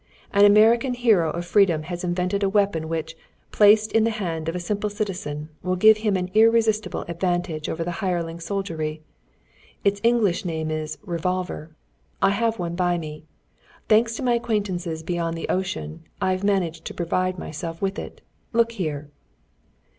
An American hero of freedom has invented a weapon which, placed in the hand of a simple citizen, will give him an irresistible advantage over the hireling soldiery. Its English name is 'revolver.' I have one by me. Thanks to my acquaintances beyond the ocean, I have managed to provide myself with it. Look here!"